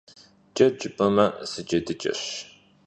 Ced jjıp'eme, sıcedıç'eş.